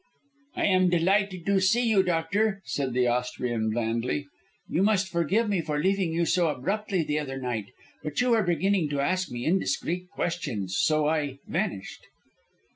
"I am delighted to see you, doctor," said the Austrian, blandly. "You must forgive me for leaving you so abruptly the other night. But you were beginning to ask me indiscreet questions, so I vanished."